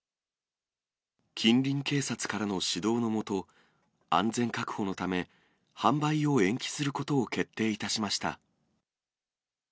近隣警察からの指導の下、安全確保のため、販売を延期することを決定いたしました。